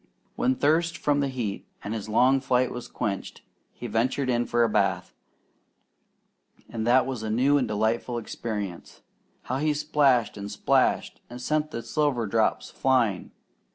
When thirst from the heat and his long flight was quenched, he ventured in for a bath, and that was a new and delightful experience. How he splashed and splashed, and sent the silver drops flying!